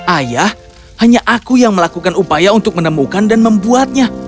ayah hanya aku yang melakukan upaya untuk menemukan dan membuatnya